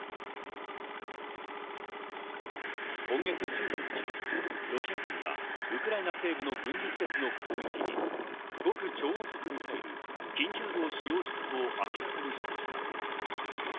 今月１９日、ロシア軍がウクライナ西部の軍事施設の攻撃に極超音速ミサイル、キンジャールを使用したと明らかにしました。